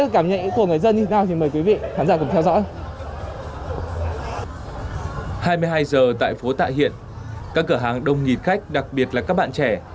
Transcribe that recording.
các cửa hàng đông nhịp khách đặc biệt là các bạn trẻ